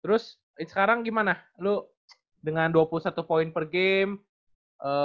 terus sekarang gimana lu dengan dua puluh satu poin per game